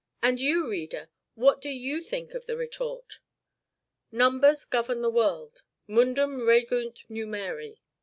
And you, reader; what do you think of the retort? Numbers govern the world mundum regunt numeri.